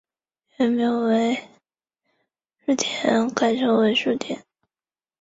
原姓为薮田改成薮田。